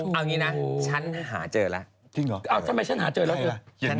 เอาอย่างนี้นะฉันหาเจอแล้วจริงหรอเอ้าทำไมฉันหาเจอแล้วคืออะไร